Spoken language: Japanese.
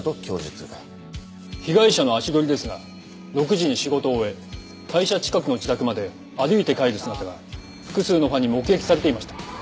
被害者の足取りですが６時に仕事を終え会社近くの自宅まで歩いて帰る姿が複数のファンに目撃されていました。